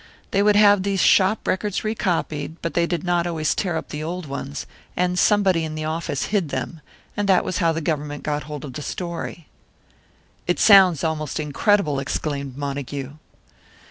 They would have these shop records recopied, but they did not always tear up the old ones, and somebody in the office hid them, and that was how the Government got hold of the story." "It sounds almost incredible!" exclaimed Montague.